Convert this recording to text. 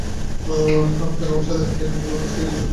আমি তো নামার সাথে সাথে এই ম্যাগি নুডলস খেয়ে খেয়ে বিরক্ত হয়ে গেছি!